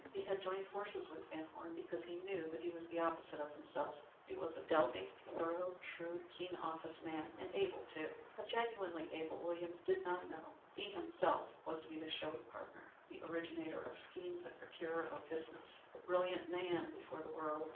He had joined forces with VanHorne because he knew that he was the opposite of himself that he was a delving, thorough, shrewd, keen office man and able too. How genuinely able Williams did not yet know. He himself was to be the showy partner, the originator of schemes and procurer of business, the brilliant man before the world.